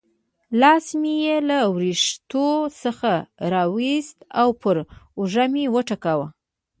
لاس مې یې له وریښتو څخه را وایست او پر اوږه مې وټکاوه.